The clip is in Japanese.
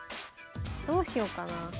どうしよっかな。